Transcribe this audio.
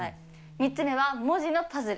３つ目は文字のパズル。